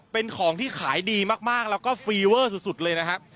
เป็นของที่ขายดีมากแล้วก็ฟีเวอร์สุดเลยนะครับ